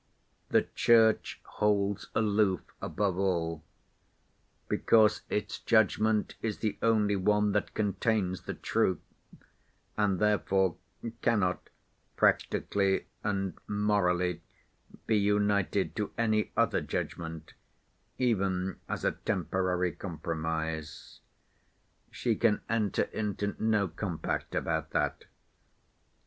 The Church holds aloof, above all, because its judgment is the only one that contains the truth, and therefore cannot practically and morally be united to any other judgment even as a temporary compromise. She can enter into no compact about that.